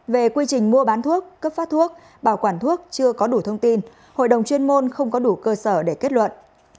về quy trình mua bán thuốc cấp phát thuốc bảo quản thuốc chưa có đủ thông tin hội đồng chuyên môn không có đủ cơ sở để kết luận